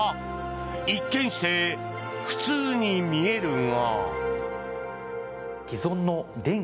一見して普通に見えるが。